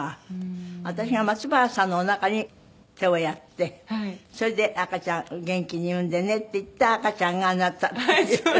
私が松原さんのおなかに手をやってそれで「赤ちゃん元気に産んでね」って言った赤ちゃんがあなたっていう。